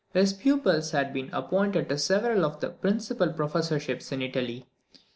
His pupils had been appointed to several of the principal professorships in Italy.